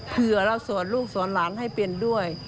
เผื่อเราสอนลูกสอนหลานให้เป็นด้วย